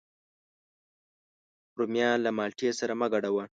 رومیان له مالټې سره مه ګډوه